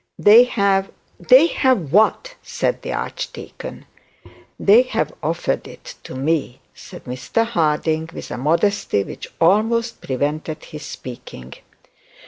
'They have ' 'They have what?' said the archdeacon. 'They have offered it to me,' said Mr Harding, with a modesty which almost prevented his speaking.